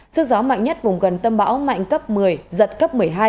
sức gió mạnh nhất vùng gần tâm bão mạnh cấp một mươi giật cấp một mươi hai